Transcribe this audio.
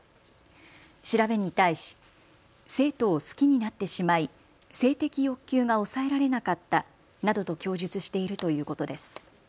調べに対し生徒を好きになってしまい性的欲求が抑えられなかったなどと供述しているということです。